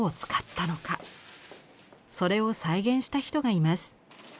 それを再現した人がいます。